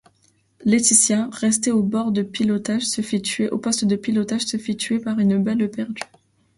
Lætitia, restée au poste de pilotage, se fait tuer par une balle perdue.